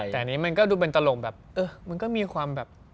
แต่อันนี้มันก็ดูเป็นตลกแบบเออมันก็มีความแบบ